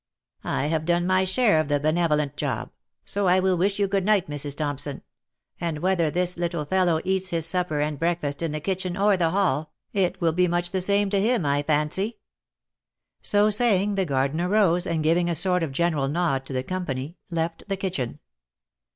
" I have done my share of the benevolent job, so I will wish you good night, Mrs. Thompson ; and whether this little fellow eats his supper and breakfast in the kitchen or the hall, it will be much the same to him, I fancy." So saying, the gardener rose, and giving a sort of general nod to the company, left the kitchen.